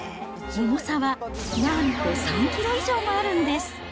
重さはなんと３キロ以上もあるんです。